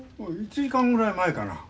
１時間ぐらい前かな。